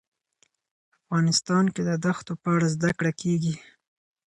افغانستان کې د دښتو په اړه زده کړه کېږي.